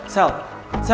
sel sel sel